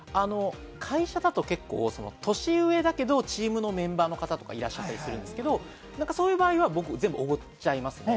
会社だと結構、年上だけどチームのメンバーの方とか、いらっしゃったりするんですけど、そういう場合は僕、全部おごっちゃいますね。